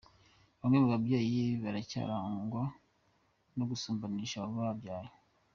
Bamwe mu babyeyi baracyarangwa no gusumbanisha abo babyaye